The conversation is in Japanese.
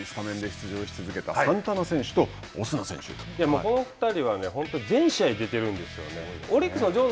スタメンで出場し続けたこの２人は本当に全試合出ているんですよね。